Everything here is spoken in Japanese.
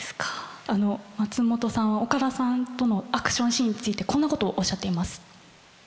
あの松本さんは岡田さんとのアクションシーンについてこんなことをおっしゃっています。